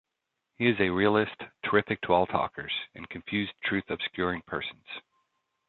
He is a realist, terrific to all talkers, and confused truth-obscuring persons.